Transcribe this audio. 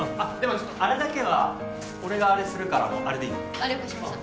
ちょっとあれだけは俺があれするからあれでいい了解しました